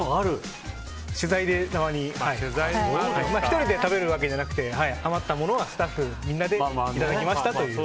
１人で食べるわけじゃなくて余ったものはスタッフみんなでいただきましたという。